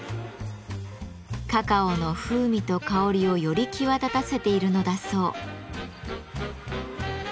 カカオの風味と香りをより際立たせているのだそう。